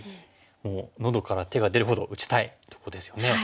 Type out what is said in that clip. もう喉から手が出るほど打ちたいとこですよね。